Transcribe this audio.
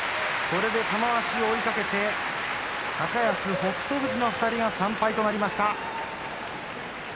これで玉鷲を追いかけて高安、北勝富士の２人が３敗となりました。